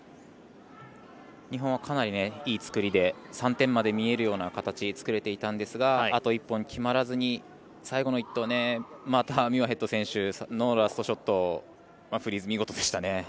日本はかなりいい作りで３点まで見えるような形作れていたんですがあと１本決まらずに最後の１投また、ミュアヘッド選手のラストショットフリーズ、見事でしたね。